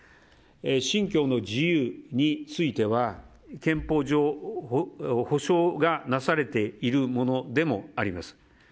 信教の自由については憲法上、保障がなされているものでもあります。